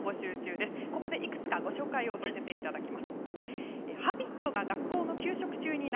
ここでいくつかご紹介をさせていただきます。